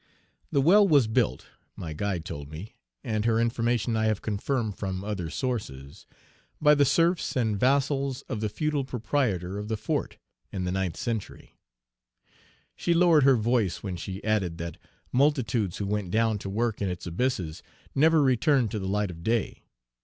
The well was built, my guide told me, and her information I have confirmed from other sources, by the serfs and vassals of the feudal proprietor of the fort, in the ninth century. She lowered her voice when she added that multitudes who went down to work in its abysses never returned to the light of day.